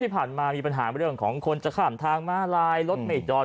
ที่ผ่านมามีปัญหาเรื่องของคนจะข้ามทางมาลายรถไม่จอด